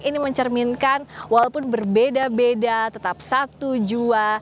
ini mencerminkan walaupun berbeda beda tetap satu jua